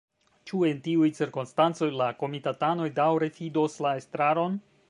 Ĉu en tiuj cirkonstancoj la komitatanoj daŭre fidos la estraron?